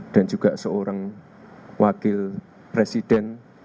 dan juga seorang wakil presiden